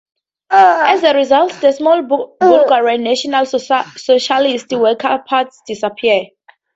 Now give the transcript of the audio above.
As result the small Bulgarian National Socialist Workers Party disappeared.